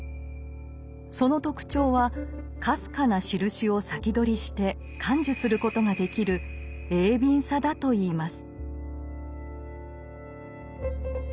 その特徴はかすかなしるしを先取りして感受することができる鋭敏さだといいます。